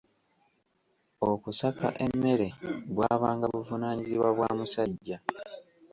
Okusaka emmere bwabanga buvunaanyizibwa bwa musajja.